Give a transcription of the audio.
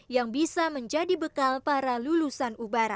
yang bisa menjadi bekal para lulusan ubara